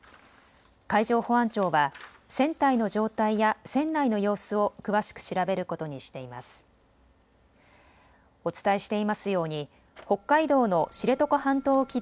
海上保安庁は船体の状態や船内の様子を詳しく調べることにしています。